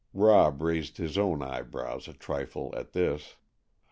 Rob raised his own eyebrows a trifle at this.